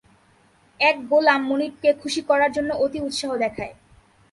এক গোলাম মনিবকে খুশি করার জন্য অতি উৎসাহ দেখায়।